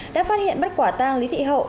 đã phát hiện bắt quả tàng lý thị hậu